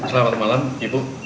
selamat malam ibu